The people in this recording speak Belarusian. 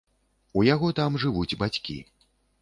У яго там жывуць бацькі.